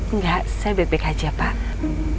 enggak saya bebek aja pak